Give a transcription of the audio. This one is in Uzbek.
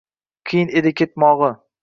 Qiyin edi ketmog’i.